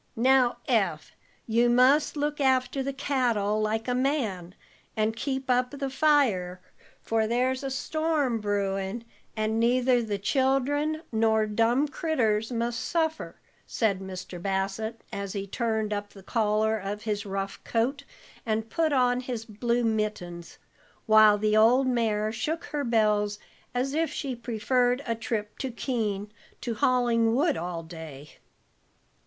"Now, Eph, you must look after the cattle like a man, and keep up the fires, for there's a storm brewin', and neither the children nor dumb critters must suffer," said Mr. Bassett, as he turned up the collar of his rough coat and put on his blue mittens, while the old mare shook her bells as if she preferred a trip to Keene to hauling wood all day.